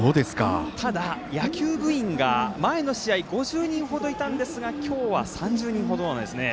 ただ、野球部員が前の試合５０人ほどいたんですが今日は３０人ほどなんですね。